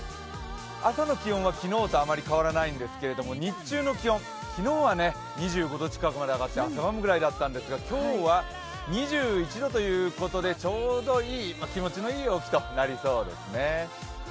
朝の気温は昨日とあまり変わらないんですけど日中の気温、昨日は２５度近くまで上がって汗ばむぐらいだったんですが、今日は２１度ということでちょうどいい、気持ちのいい陽気となりそうですね。